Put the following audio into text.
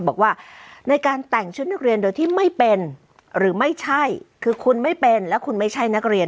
บอกว่าในการแต่งชุดนักเรียนโดยที่ไม่เป็นหรือไม่ใช่คือคุณไม่เป็นและคุณไม่ใช่นักเรียน